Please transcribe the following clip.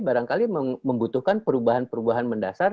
barangkali membutuhkan perubahan perubahan mendasar